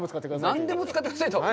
何でも使ってくださいと。